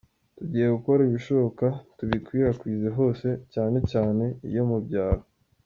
Tugiye gukora ibishoboka tubikwirakwize hose cyane cyane iyo mu byaro”.